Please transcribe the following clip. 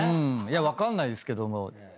分かんないですけども。